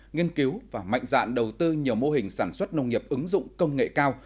nghiên cứu và mạnh dạn đầu tư nhiều mô hình sản xuất nông nghiệp ứng dụng công nghệ cao